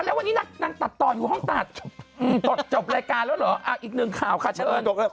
เอออีกหนึ่งข่าวขะเชิญ